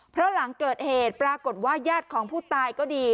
เพราะหลังเกิดเหตุปรากฏว่าญาติของผู้ตายก็ดี